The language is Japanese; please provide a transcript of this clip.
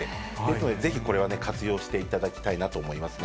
ぜひこれはね、活用していただきたいと思いますね。